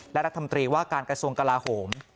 และรัฐมนตรีว่าการกระทรวงกลาโหม